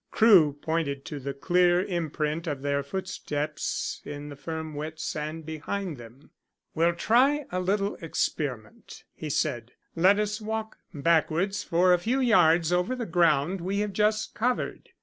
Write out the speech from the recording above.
Crewe pointed to the clear imprint of their footsteps in the firm wet sand behind them. "We'll try a little experiment," he said. "Let us walk backwards for a few yards over the ground we have just covered."